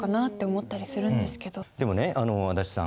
でもね足立さん